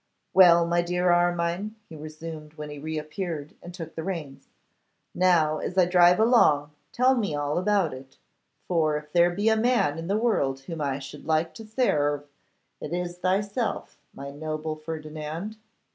'Well, my dear Armine,' he resumed, when he reappeared and took the reins; 'now as I drive along, tell me all about it; for if there be a man in the world whom I should like to "sarve," it is thyself, my noble Ferdinand.